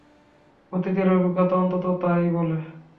অতীতের অভিজ্ঞতা অন্তত তা ই বলে।